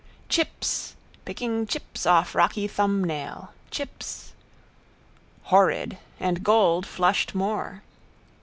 Chips, picking chips off rocky thumbnail, chips. Horrid! And gold flushed more.